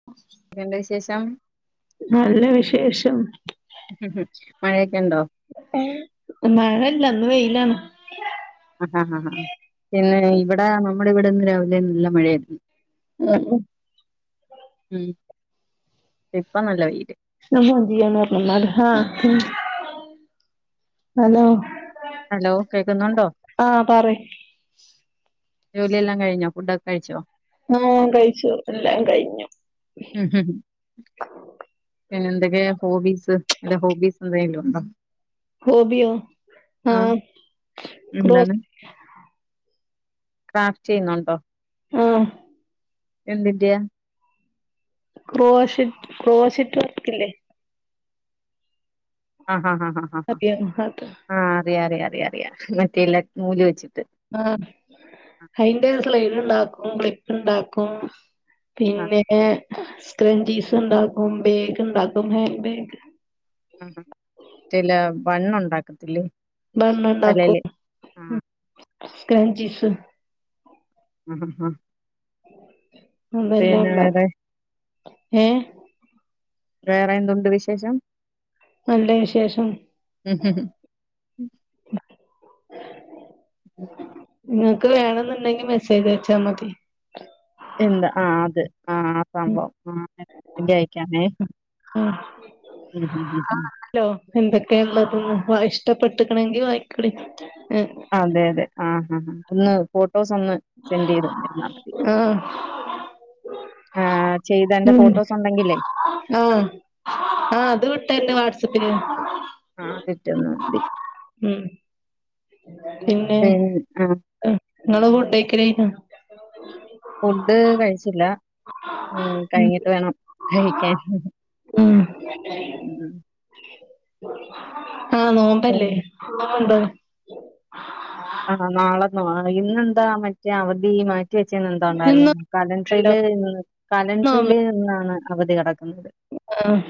ഓ [unintelligible] A വിശേഷം നല്ല വിശേഷം മഴയൊക്കെ ഉണ്ടോ മഴല്ല അന്ന് വെയിലാണ് ആഹാ ആാാ പിന്നെ ഇവിടെ നമ്മുടെ ഇവിടെന്ന് രാവിലെ നല്ല മഴയായിരുന്നു [unintelligible] ഇപ്പ നല്ല വീര് നമ്മ ദ ന നമാ ആഹ ഹലോ ഹലോ കേക്കുന്നുണ്ടോ ആഹ പറീ ജോലിയെല്ലാം കിഞ്ഞ ഫുഡൊക്കെ കഴിച്ചോ ആ കഴിച്ചു എല്ലാം കഴിഞ്ഞു ഉം ഉം [unintelligible] പിന്നെ എന്തൊക്കെയ ഹോബീസ് എ ഹോബീസ് എന്തെിലും ഉണ്ടോ ഹോമിയോആ ആഹ് എന്താണ് ക്രാഫ്റ്റ് ചെയ്യുന്നുണ്ടോ ആഹ എന്തന്ത്യ ക്രോഷ ക്രോശിട്ട് വക്കില്ലേ ആ ഹാ ആ ആാ അറയാണ് അത [unintelligible] ആഹ് അറിയാ അറിയാം അറിയാറിയാം മറ്റേ എല്ലാം നൂല് വെച്ചിട്ട് ആഹ അതിന്റെ സ്ലൈഡ ഉണ്ടാക്കുംലിപ്പ്ണ്ടാക്കും ആഹ് പിന്നെ സ്ക്രഞ്ചീസ് ഉണ്ടാക്കും ബേഗ് ഉണ്ടാക്കും ഹാൻ ബാഗ് ആഹ് ചില ബൺ ഉണ്ടാക്കത്തില്ലേ ബണ്ണ് ഇണ്ടാക്കും തലേല് ആഹ് ഉം സ്ക്രഞ്ചീസും അഹ ഹാ അതെല്ലാം പിന്നെ വേറെ ഇണ്ടാക്കും ഏഹ് വേറെ എന്തുണ്ട് വിശേഷം നല്ല വിശേഷം ഉം ഇങ്ങക്ക് വേണെന്നുണ്ടെങ്കി മെസ്സേജ് അയച മതി എന്താ ആ അത് ആ സംഭവം ആ മെസ്സേജ് അയക്കാമെ ഉം ഉം ഉം ഉം ഉം ല്ലോ എന്തൊക്കെള്ളത് ന്ന് വ ഇഷ്ടപ്പെട്ട്ക്ക്ണങ്കി വാങ്ങിക്കാളി എ അതെ അതെ ആ ഹ ഹാ ഒന്ന് പൊ ഫോട്ടോസ് ഒന്ന് സെൻഡ് ചെയ്ത് തന്നാ മതി ആഹ് ആ ചെയ്തതിന്റെ ഉം ഫോട്ടോസ് ഉണ്ടെങ്കിലേ ആ ആ അത് വിട്ടര്ണ്ട് വാട്സപ്പ്ല് ആ അതിറ്റന്നാ മതി ഉം പിന്നെ ഉം ഇങ്ങള ഫുഡയ്ക്കല് കഴിഞ്ഞോ ഫുഡ് കഴിച്ചില്ല കഴിഞ്ഞിട്ട് വേണം കഴിക്കാൻ ഉം ഉം ആ ഉം നോമ്പല്ലേ ന്തോ ആ നാളന്നൊ ആ ഇന്നന്താ മറ്റേ അവധി മാറ്റി വെച്ച എന്തുകൊണ്ടാ അറിയൊ ഇന്നും കലണ്ട്ര് ണ്ടല്ലോ ല് ഇന്ന് കലണ്ട്ര് നോമ്പ് ല് ഇന്നാണ് അവധി കടക്കുന്നത് ആഹ്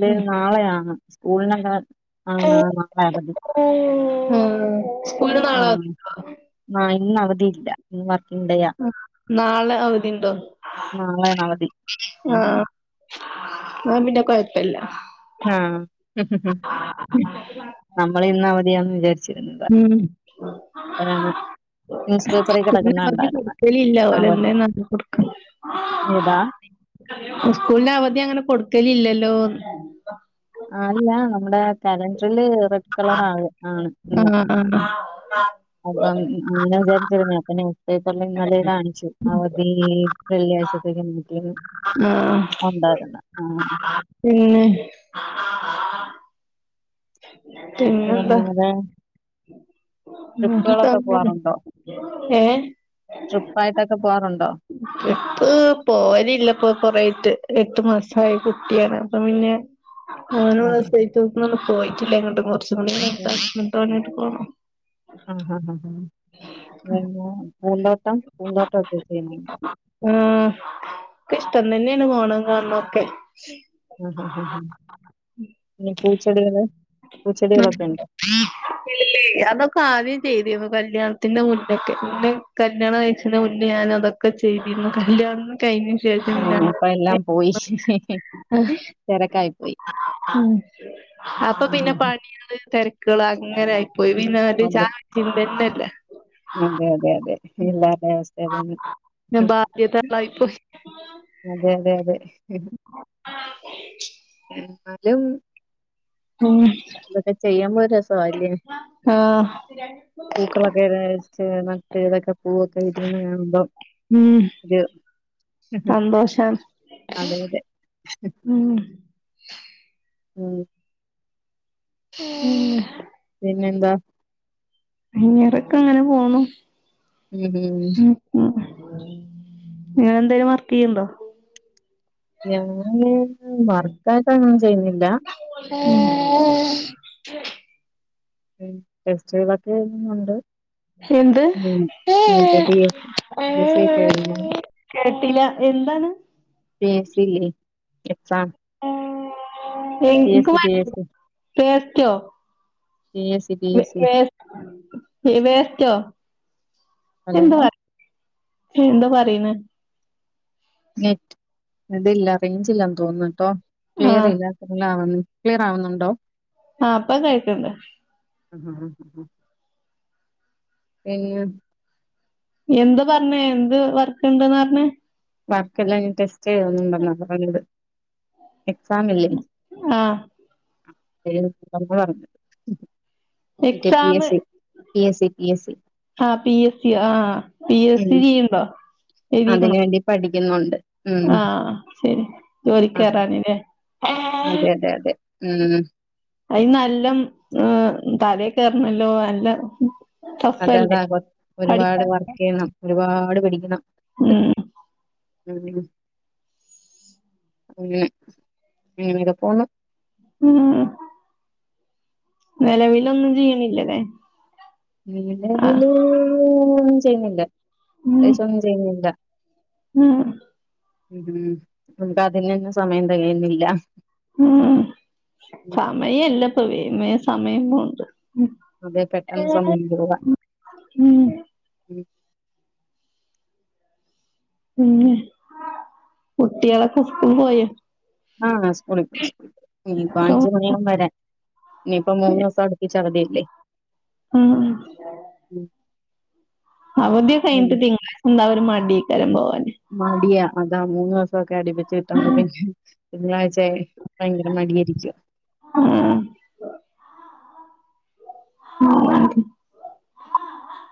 ല് ഉം നാളെയാണ് സ്കൂൾനെക്കെ ആ നാളെ അവധി ഉം ആ ആ ഇന്ന അവധിയില്ല ഇന്ന് വർക്കിങ്‌ ഡേയാ നാളെ അവധി ഇണ്ടോ നാളെയാണ് അവധി ആ ഉം ന്നാ പിന്നെ കൊഴപ്പല്ല ആ നമ്മള് ഇന്ന് അവധിയാന്ന് വിചാരിച്ച ഉം ന്യൂസ് പേപ്പറിൽ കിടക്കുന്ന സ്കൂളിന് അവധി കണ്ടായിരുന്ന് കൊടുക്കലില്ല ഓൽ അവധി എന്തേന്ന് ആവോ കൊടു [unintelligible] ഏതാ സ്കൂൾന് അവധി അങ്ങനെ കൊടുക്കലില്ലല്ലോന്ന് ആല്ല നമ്മുടെ കലണ്ട്ര് ല് റെഡ് കളറ ആണ് ആണ് ഇന്ന് ആ ആ അപ്പം അങ്ങനെ വിചാരിച്ചിരുന്നു അപ്പ ന്യൂസ് പേപ്പർൽ ഇന്നലെ കാണിച്ചു അവധി വെള്ളിയാഴ്ചത്തേക്ക് നീട്ടീന്ന് ആഹ് ഉണ്ടായിരുന്ന് ആ പിന്നെ പിന്നെന്താ പിന്നെ [unintelligible] ട്രിപ്പുകളൊക്കെ പോവാറുണ്ടോ [unintelligible] ഏ ട്രിപ്പായിട്ടൊക്കെ പോവാറുണ്ടോ ട്രിപ്പ്‌ പോവലില്ല ഇപ്പൊ കൊറേയിട്ട് എട്ട് മാസായ കുട്ടിയാണ് അപ്പൊ പിന്നെ അങ്ങനെ ഉള്ള ആഹ് [unintelligible] ഒന്നും പോയിട്ടില്ല എങ്ങോട്ടും കൊർച്ചും കൂടി കഴിഞ്ഞിട്ട് ന്നട്ട് ഓനെറ്റ് പോണം ആ ആ ആ ആ പിന്നെ പൂന്തോട്ടം പൂന്തോട്ടം ഒക്കെ ചെയ്യണ ഉം ഇക്ക് ഇഷ്ടം തന്നെണ് പോണതും കാൺണോക്കെ ആ ഹാ ഹാ ഹാ പിന്നെ പൂച്ചെടികള് പൂച്ചെടികളൊക്കെ ഇണ്ടോ ഇല്ലേയ് അതൊക്കെ ആദ്യം ചെയ്തിരുന്നു കല്യാൺത്തിന്റെ മുന്നെക്കെ ഇന്നെ കല്യാണം കഴിച്ണ മുന്നേ ഞാൻ അതൊ ക്കെ ചെയ്തിര്ന്നു കല്യാണ കയിഞ്ഞ ശേഷ് ഏ ഞാപ്പ എല്ലാം പോയി തെരക്കായി പോയി ഉം അപ്പൊ ഉം ഉം പിന്നെ ഉം. പണികള് തെരക്കൾ അങ്ങനായി- പോയി പിന്ന [unintelligible] [unintelligible] ചാ അതെ ചിന്തന്നല്ലേ അതെ അതെ അതെ എല്ലാർടെ അവസ്ഥ അതനി പിന്നെ ബാധ്യതകളായിപ്പോയി അതെ അതെ അതെ. [unintelligible] എന്നാലും. ഉം ഇതൊക്കെ ചെയ്യമ്പോരു രസാവല്ലേ. ര [unintelligible] പൂക്കളൊക്കെ [unintelligible] രിച്ച് നട്ട് ഇതൊക്കെ പൂവൊക്കെ വിരിയന്നെ കാണുമ്പം. ഉം സന്തോഷം. അതെ അതെ. ഉം ഉം ഉം [unintelligible] പിന്നെന്താ. അയ്യറക്ക അങ്ങനെ പോന്നു ഉം ഉം. ഉം ഉം നിങ്ങ [unintelligible] ന്തേലും വർക്ക് ചെയ്യണ്ടോ. ഞാന് വർക്കായിട്ട് അങ്ങും ചെയ്യുന്നില്ലാ ആ [unintelligible] ടെസ്റ്റ്കളൊക്കെ ഴുന്നുണ്ട്. എന്ത് മറ്റേ P S C P S C ഒക്കെ എഴുതുന്നുണ്ട് [unintelligible] കേട്ടില്ല എന്താണ്. പിഎസ്സി ഇല്ലേ എക്സാം ആ [unintelligible] പിഎസ്സി പിഎസ്സി പിഎസ് വേ വേസ് വേസ്‌റ്റോ ഹലോ ന്തോ [unintelligible] എന്തോ പറയിണ് നെറ്റ് ഇതില്ല റേഞ്ച് ഇല്ലാന്ന് തോന്നുട്ടോ ക്ലിയർ ആഹ് ഇല്ല. [unintelligible] ക്ലിയറാവുന്നുണ്ടോ. ആ അപ്പ കേക്കണ്ട് [unintelligible] പിന്നെ എന്ത് പറഞ്ഞേ എന്ത് വർക്ക്ണ്ടെന്നാ അറഞ്ഞേ. വർക്കെല്ലാ ഇ ടെസ്റ്റ് എഴുതു ന്നുണ്ടെന്നാ പറഞ്ഞത്. എക്സാം ഇല്ലേ ആഹ് [unintelligible] പറഞ്ഞത്. [unintelligible] P exam S C P S C P S C ആ പിഎസ്സി ആ ഉം പിഎസ്സി ചീയുണ്ടോ അതിന് വേണ്ടി പഠിക്കുന്നുണ്ട്. ഉം ആഹ് ശരി ആഹ് ജോലിക്കേറാനില്ലേ. അതെ അതെ അതെ ഉം. അയി നല്ലം തലേ കേറണല്ലോ അല്ല. അതാതാ [unintelligible] ഒരുപാട് വർക്ക്യ്യണം ഒരുപാട് പിടിക്കണം. ഉം. ഉം ഉം ഉം ഇതൊക്കൊന്നു- ഉം. നിലവിലൊന്നും ചെയ്യണില്ലല്ലേ. ആഹ് നിലവല് [unintelligible] ചെയ്യുന്നില്ല ഉം അത്യാശ്യം ഒന്നും ചെയ്യുന്നില്ല ഉം. ഉം ഉം [unintelligible] അതിനൊന്നും സമയം തെകയുന്നില്ല ഉം സമയല്ല ഇപ്പൊ വേമേ സമയം പോണ്ട്. ഉം അതെ പെട്ടെന്ന് സമയം പോവ ഉം പിന്നെ കുട്ടികളൊക്കെ സ്കൂൾ പോയ. ആഹ് സ്കൂളി പോയി സ്കൂളി പോ ന ഇപ്പ എത്ര അഞ്ചച് മണിവും വരൻ ഇനിയിപ്പ മൂന്ന് ദിവസം അടുപിച് അവധിയല്ലേ ഉം ഉ ഉം അവധി ഒക്കെ കഴിഞ്ഞട്ട് ഉം. തിങ്കളായിച ഉടവും ഒരു മടിക്കരം. പോ മടിയാ അതാ മൂന്ന് ദിവസംക്കെ അടിപ്പിച്ചച്ച് കിട്ട്പ പിന്നെ തിങ്കളാഴ്ച ഭയങ്കര മഠിയരിക്കും. ആഹ് ആഹ്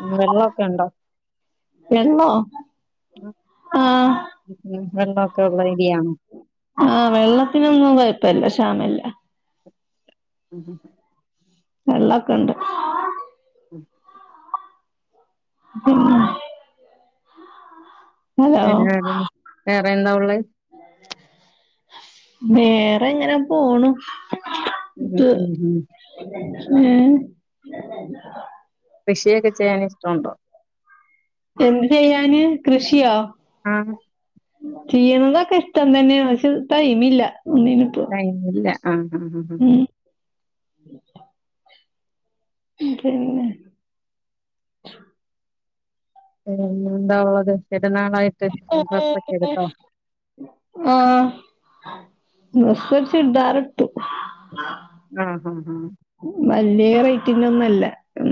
ഉം, വെള്ളമൊക്കെ ഉണ്ടോ ആഹ [unintelligible] ആഹ വെള്ളത്തിനൊന്നും കുഴപ്പല്ല ശ്യമല്ല. ഉം ഉം വെള്ളൊക്കെ ഉണ്ട്. ഉം. പിന്നെ ഹലോ പിന്നെ വേറെ എന്താ ഉള്ളത്. വേറെ എങ്ങനാ പോണൂ. എന്തൊക്കെയുണ്ട് ഏ [inaudible] കൃഷിയൊക്കെ ചെയ്യാൻ ഇഷ്ടുണ്ടോ? എന്ത് ചെയ്യാന് കൃഷിയോ? ആഹ് ചെയ്യണം എന്നൊക്കെ ഇഷ്ടം തന്നെയ തൈമില്ല ഒന്നിനും. ടൈമില്ല ആഹ ആ് ആ് അതെന്നെ പി എന്താപട് പെരുന്നാളായിട്ട് ഡ്രസ്സ് ഒക്കെ എടുത്തോ? ആഹ ഡ്രസ്സ് ചുരിദാർ എടുത്തു. ആഹ ഹഹ് ആഹ വലിയ റൈറ്റ് ഒന്നുംല്ല.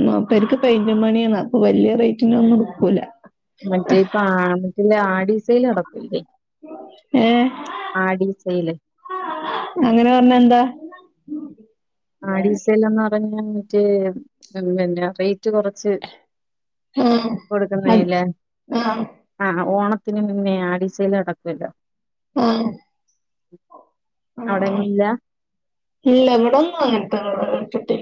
മൂപ്പർക്ക് പെയിന്റ് പണിയാണ് അപ്പോൾ വലിയ റേറ്റിന്റെ ഒന്നും എടുക്കുല്ല. മറ്റേ ഇപ്പ മറ്റ ആഡീസൽ നടക്കല്ലേ ഏഹ് ആടിസയില്. അങ്ങനെ പറഞ്ഞ എന്താ? ആ ടി ഡിസൽന്ന് പറഞ്ഞ മറ്റേ പിന്ന റൈറ്റ് കൊറച്ച്. ആഹ് അത് കൊടുക്കുന്നയിന്. ആഹ് ആഹ ഓണത്തിന് മുന്നേ ആടിസൽ അടക്കല്ലോ? ആഹ് [inaudible] ആ അവിടെങ്ങും ഇല്ല ഇല്ല ഇവിടെ ഒന്നും അങ്ങനതൊ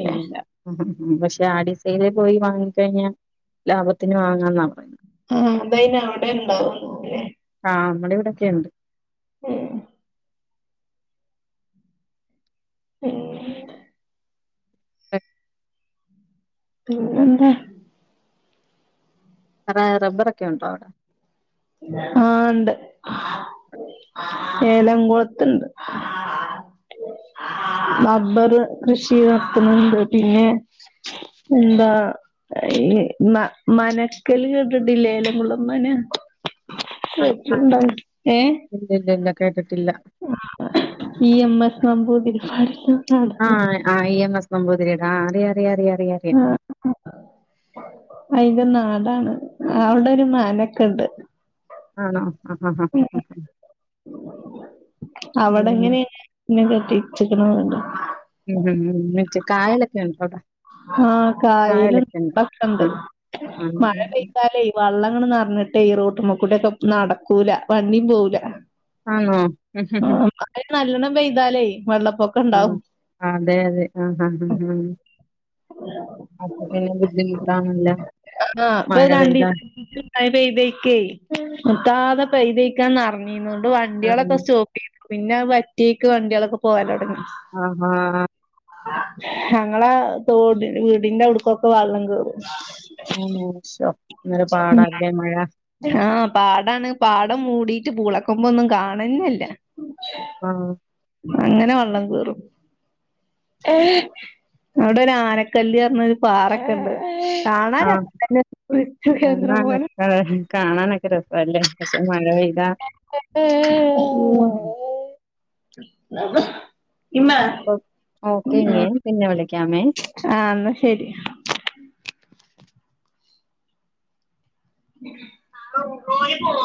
ഇല്ല. ഉം പക്ഷെ ആടിസൈയില പോയി വാങ്ങിക്കഴിഞ്ഞാ ലാഭത്തിന് വാങ്ങാെന്നാ പറയ. ആ അന്തായിന് അവിടെ ഉണ്ടോ ആഹ് നമ്മള ഇവിടെക്കെ ഉണ്ട്. [inaudible] [inaudible] [inaudible] പിന്നെന്താ വേറെ റബ്ബറൊക്കെ ഉണ്ടോ അവിടെ ആഹ് ഇണ്ട് ഏലംകുളത്ത് ഇണ്ട് റബ്ബറ് കൃഷി നടത്തണുണ്ട് പിന്നെ എന്താ ഈ മനക്കല് കേട്ടിട്ടില്ലേ ഏലംകുളംതന്നാ ആ കേട്ടിട്ടുണ്ടോ ഏഹ് ഇല്ല ഇല്ല ഇല്ല കേട്ടിട്ടില്ല ഇ എം എസ് നമ്പൂതിരിപ്പാട് ആഹ് ആഹ് ഇ എം എസ് നമ്പൂതിരിയുടെ ആഹ് അറിയാ അറിയാ അറിയാ അറിയാ അയിൻ്റെ നാടാണ് അവിടെ ഒരു മാനൊക്കെ ഇണ്ട് ആണോ [inaudible] ഉം അവിടെ ഇങ്ങനെ ഇന്നെ കെട്ടിച്ചേക്കണ് എന്നുണ്ട് ഉം ഉം ഉം മറ്റേ കായലൊക്കെ ഉണ്ടോ അവിടെ ആഹ് കായലും കായലൊക്കെ ഉണ്ട് ഇതൊക്കെണ്ട് ആ ആ മഴ പെയ്താലെ വെള്ളം ഇങ്ങട് നിറഞ്ഞിട്ടേ ഈ റോട്ടുമ്മേക്കൂടെ ഒക്കെ നടക്കൂല വണ്ടിയും പോകൂല ആണോ മഴ നല്ലോണം പെയ്താലേ വെള്ളപ്പൊക്കം ആഹ് അതെ അതെ ആഹ് ആഹ് ആഹ് ആഹ് അപ്പൊ പിന്നെ ബുദ്ധിമുട്ടാണല്ലൊ ആഹ് ഇപ്പൊ മഴ പെയ്താ രണ്ടീസായിട്ട് മഴ പെയ്തേക്കെ നിർത്താതെ പെയ്തേയ്ക്കാന്ന് അറിഞ്ഞീന്നുകൊണ്ട് ആ വണ്ടികളൊക്കെ സ്റ്റോ പ്പ് പിന്നെ വറ്റിയക്ക് വണ്ടികളൊക്കെ പോവാൻ തുടങ്ങി ആഹ് ആഹ് ഞങ്ങളെ തോടി വീടിന്റെ അവടേക്കൊക്കെ വെള്ളം കേറും ആന്നോ ശൊ അന്നേരം പാടാല്ലേ മഴ ആഹ് പാടാണ് പാടം മൂടീട്ട് പൂളക്കൊമ്പൊന്നും കാണന്നേല്ല ആഹ് അങ്ങനെ വെള്ളം കേറും അവിടെ ഒരു ആനക്കല്ല് പറഞ്ഞ ഒരു പാറൊക്കെ ഇണ്ട് കാണാൻ രസ കാണാനൊ കാണാനൊക്കെ രസാല്ലേ പക്ഷെ മഴ പെയ്താ [unintelligible] [unintelligible] ഓക്കെ ഇങ്ങേ പിന്നെ വിളിക്കാമേ ആഹ് എന്നാ ശെരി [unintelligible]